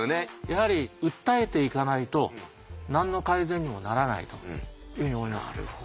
やはり訴えていかないと何の改善にもならないというふうに思います。